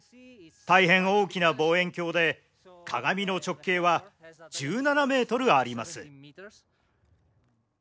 大変大きな望遠鏡で鏡の直径は１７ｍあります。